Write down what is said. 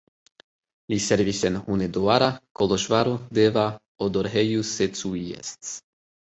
Li servis en Hunedoara, Koloĵvaro, Deva, Odorheiu Secuiesc.